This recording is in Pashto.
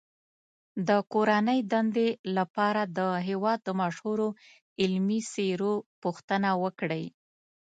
د کورنۍ دندې لپاره د هېواد د مشهورو علمي څیرو پوښتنه وکړئ.